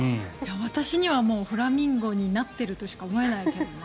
私にはもうフラミンゴになっているとしか思えないけどな。